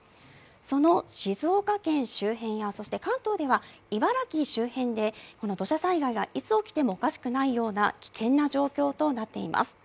その静岡県周辺や関東では茨城周辺で土砂災害がいつ起きてもおかしくないような危険な状況となっています。